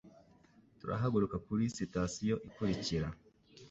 Turahaguruka kuri sitasiyo ikurikira.